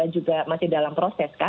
juga masih dalam proses kan